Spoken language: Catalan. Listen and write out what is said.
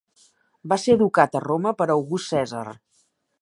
Va ser educat a Roma per August Cèsar.